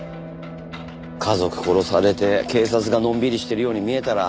家族殺されて警察がのんびりしてるように見えたら。